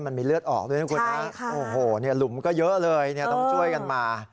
มันมีเลือดออกด้วยนะคุณนะโอ้โหหลุมก็เยอะเลยต้องช่วยกันมา